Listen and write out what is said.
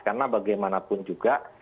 karena bagaimanapun juga